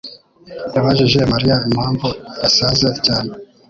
yabajije Mariya impamvu yasaze cyane.